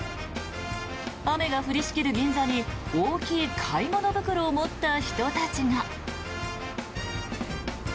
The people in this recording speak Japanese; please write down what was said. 雨が降りしきる銀座に大きい買い物袋を持った人たちが。